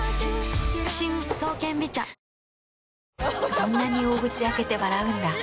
そんなに大口開けて笑うんだ。